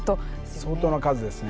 相当な数ですね。